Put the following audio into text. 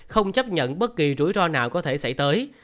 không chấp nhận bất kỳ rủi ro nào có thể xảy tới